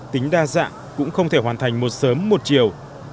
tính đa dạng cũng không thể hoàn thành một sớm một chiều